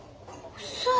うそ！？